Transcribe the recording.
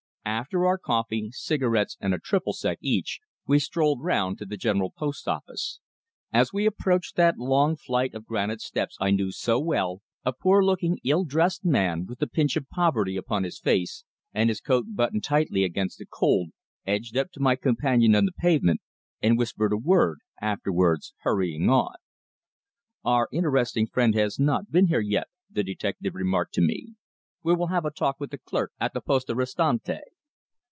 After our coffee, cigarettes, and a "triple sec" each, we strolled round to the General Post Office. As we approached that long flight of granite steps I knew so well, a poor looking, ill dressed man with the pinch of poverty upon his face, and his coat buttoned tightly against the cold, edged up to my companion on the pavement and whispered a word, afterwards hurrying on. "Our interesting friend has not been here yet," the detective remarked to me. "We will have a talk with the clerk at the Poste Restante."